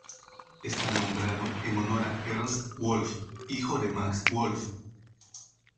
Está nombrado en honor de Ernst Wolf, hijo de Max Wolf.